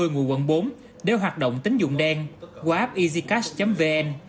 ngụ quận bốn đều hoạt động tính dụng đen qua app easycash vn